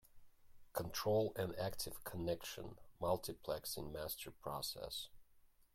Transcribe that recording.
Control an active connection multiplexing master process.